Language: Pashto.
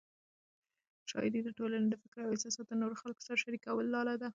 شاعري د ټولنې د فکر او احساسات د نورو خلکو سره شریکولو لار ده.